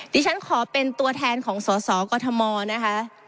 ดิฉันขอเป็นตัวแทนของสสกมนะคะ